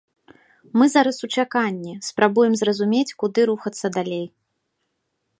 Мы зараз у чаканні, спрабуем зразумець, куды рухацца далей.